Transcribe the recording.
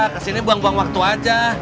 kesini buang buang waktu aja